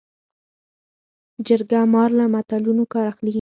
جرګه مار له متلونو کار اخلي